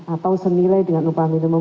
atau senilai dengan upah minimum